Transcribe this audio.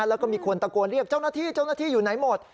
แล้วก็มีคนตะโกนเรียกเจ้าหน้าที่อยู่ไหนหมด